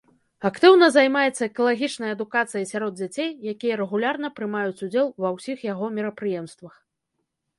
Актыўна займаецца экалагічнай адукацыяй сярод дзяцей, якія рэгулярна прымаюць удзел ва ўсіх яго мерапрыемствах.